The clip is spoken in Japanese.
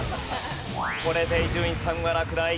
これで伊集院さんは落第。